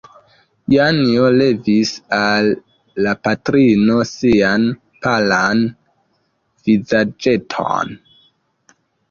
Janjo levis al la patrino sian palan vizaĝeton.